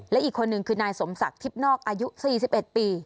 และอีกคนนึงคือนายสมศักดิ์ทิพย์นอกอายุ๔๑ปี